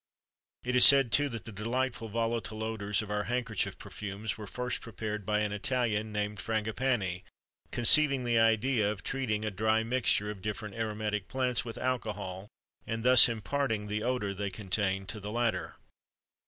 It is said, too, that the delightful volatile odors of our handkerchief perfumes were first prepared by an Italian named Frangipanni conceiving the idea of treating a dry mixture of different aromatic plants with alcohol and thus imparting the odor they contained to the latter.